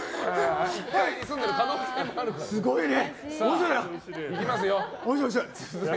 すごいね！